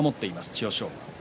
千代翔馬。